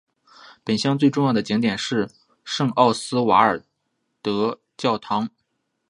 本乡最重要的景点是圣奥斯瓦尔德教堂。